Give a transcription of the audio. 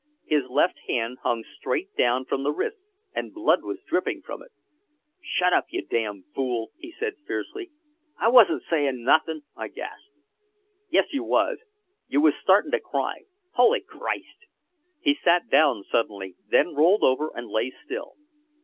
His left hand hung straight down from the wrist and blood was dripping from it. "Shut up, you damn fool!" he said fiercely. "I wasn't saying nothing," I gasped. "Yes, you was you was startin' to cry! Holy Christ!" He sat down suddenly, then rolled over and lay still.